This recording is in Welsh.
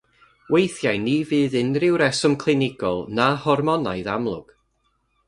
Weithiau ni fydd unrhyw reswm clinigol na hormonaidd amlwg.